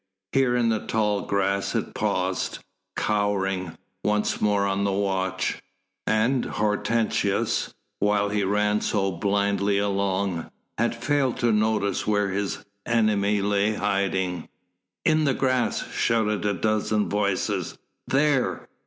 Here in the tall grass it paused cowering once more on the watch. And Hortensius, while he ran so blindly along, had failed to notice where his enemy lay hiding. "In the grass!" shouted a dozen voices. "There!"